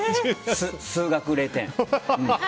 数学、０点。